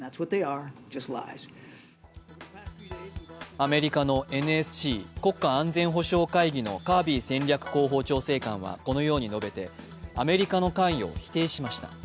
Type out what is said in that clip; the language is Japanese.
アメリカのＮＳＣ＝国家安全保障会議のカービー戦略広報調整官はこのように述べてアメリカの関与を否定しました。